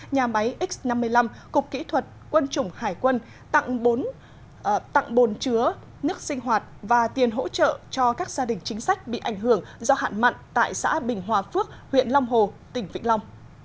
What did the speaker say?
nhà máy x năm mươi năm cục kỹ thuật quân chủng hải quân tặng bồn chứa nước sinh hoạt và tiền hỗ trợ cho các gia đình chính sách bị ảnh hưởng do hạn mặn tại xã bình hòa phước huyện long hồ tỉnh vĩnh long